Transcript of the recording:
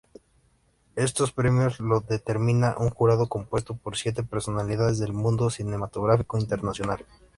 Estos premios los determina un jurado compuesto por siete personalidades del mundo cinematográfico internacional.